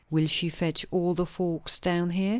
Will she fetch all the folks down here?